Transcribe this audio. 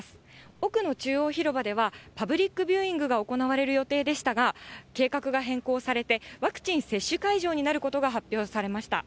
奥の中央広場では、パブリックビューイングが行われる予定でしたが、計画が変更されて、ワクチン接種会場になることが発表されました。